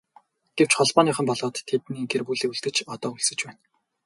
Гэвч Холбооныхон болоод тэдний гэр бүл үлдэж одоо өлсөж байна.